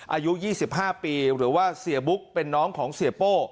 อายุ๒๕ปีหรือว่าเสียบุ๊กเป็นน้องของเสียโป้